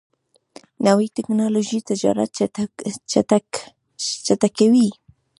نوې ټکنالوژي تجارت چټکوي.